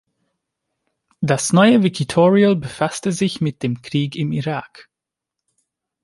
Das neue Wikitorial befasste sich mit dem Krieg im Irak.